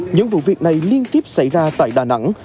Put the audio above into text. những vụ việc này liên tiếp xảy ra tại đà nẵng